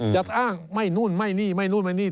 จะอ้างไม่นู่นไม่นี่ไม่นู่นไม่นี่